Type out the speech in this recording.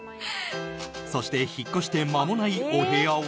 そして引っ越して間もないお部屋は。